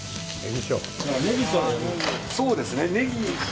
そうですね。